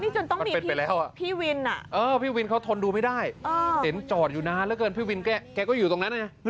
ใช่แต่มันหมืดแล้วควรจริง